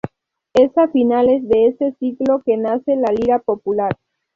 Es a finales de ese siglo que nace la Lira Popular.